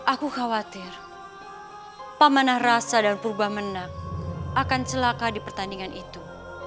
aku khawatir pak manarasa dan purba menak akan celaka di pertandingan itu